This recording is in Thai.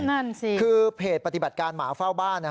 นั่นสิคือเพจปฏิบัติการหมาเฝ้าบ้าน